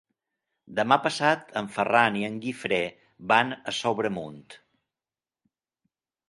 Demà passat en Ferran i en Guifré van a Sobremunt.